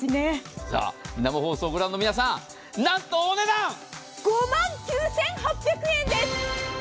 生放送をご覧の皆さん５万９８００円です。